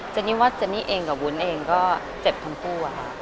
นี่ว่าเจนนี่เองกับวุ้นเองก็เจ็บทั้งคู่อะค่ะ